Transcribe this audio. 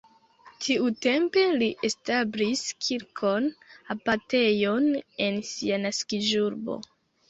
Tiutempe li establis kirkon, abatejon en sia naskiĝurbo.